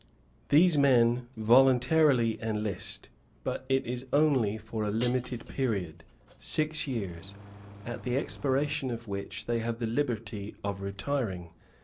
These men voluntarily enlist, but it is only for a limited period (six years), at the expiration of which they have the liberty of retiring.